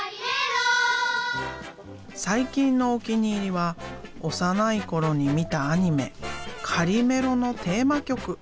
最近のお気に入りは幼い頃に見たアニメ「カリメロ」のテーマ曲。